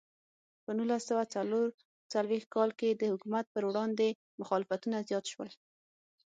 په نولس سوه څلور څلوېښت کال کې د حکومت پر وړاندې مخالفتونه زیات شول.